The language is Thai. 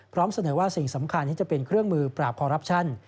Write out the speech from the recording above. เสนอว่าสิ่งสำคัญที่จะเป็นเครื่องมือปราบคอรับชัน